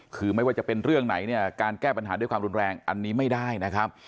คือไม่ว่าจะเป็นเรื่องไหนเนี่ยการแก้ปัญหาด้วยความรุนแรงอันนี้ไม่ได้นะครับ